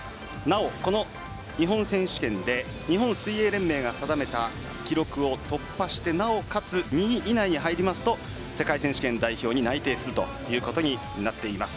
この日本選手権で日本水泳連盟が定めた記録を突破して、なおかつ２位以内に入りますと世界選手権代表に内定するということになっています。